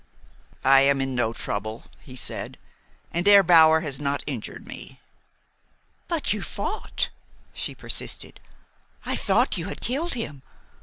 "I am in no trouble," he said, "and Herr Bauer has not injured me." "But you fought," she persisted. "I thought you had killed him.